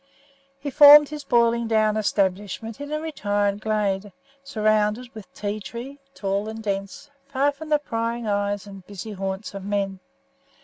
He formed his boiling down establishment in a retired glade, surrounded with tea tree, tall and dense, far from the prying eyes and busy haunts of men.